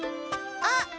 あっ！